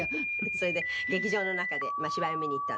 それで劇場の中で芝居を見に行ったんですけど。